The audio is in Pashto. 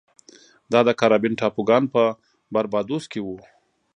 دا د کارابین ټاپوګانو په باربادوس کې و.